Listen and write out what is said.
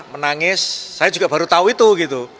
menangis saya juga baru tahu itu gitu